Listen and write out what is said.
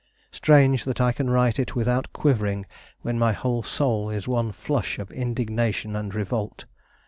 Strange that I can write it without quivering when my whole soul is one flush of indignation and revolt.